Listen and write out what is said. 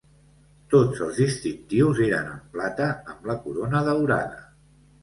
Tots els distintius eren en plata, amb la corona daurada.